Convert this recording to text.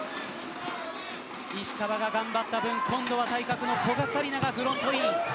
石川が頑張った分今度は対角の古賀紗理那がフロントイン。